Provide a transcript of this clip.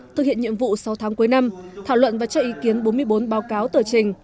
thực hiện nhiệm vụ sáu tháng cuối năm thảo luận và cho ý kiến bốn mươi bốn báo cáo tờ trình